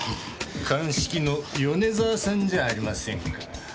鑑識の米沢さんじゃありませんか。